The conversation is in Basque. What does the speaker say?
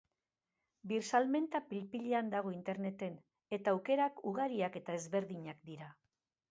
Birsalmenta pil-pilean dago interneten eta aukerak ugariak eta ezberdinak dira.